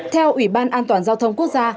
theo ủy ban an toàn giao thông quốc gia